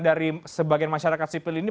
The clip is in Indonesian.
dari sebagian masyarakat sipil ini